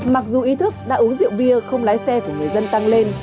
mặc dù ý thức đã uống rượu bia không lái xe của người dân tăng lên